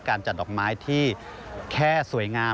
การจัดดอกไม้ที่แค่สวยงาม